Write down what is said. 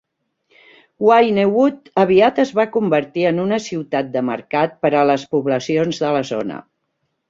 Wynnewood aviat es va convertir en una ciutat de mercat per a les poblacions de la zona.